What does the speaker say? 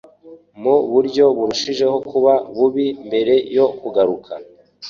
mu buryo burushijeho kuba bubi, mbere yo kugaruka